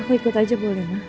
aku ikut aja boleh